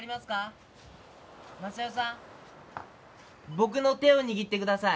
僕の手を握ってください。